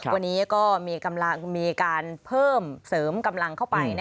วันนี้ก็มีการเพิ่มเสริมกำลังเข้าไป